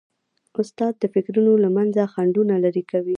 استاد د فکرونو له منځه خنډونه لیري کوي.